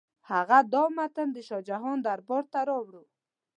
هغه دا متن د شاه جهان دربار ته راوړ.